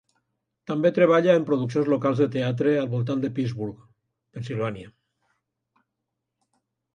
També treballa en produccions locals de teatre al voltant del Pittsburgh, Pennsilvània.